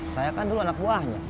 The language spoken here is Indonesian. saya kan dulu anak buahnya